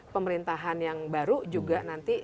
pemerintahan yang baru juga nanti